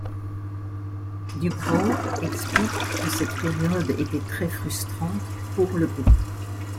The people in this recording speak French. DuBrow explique que cette période était très frustrante pour le groupe.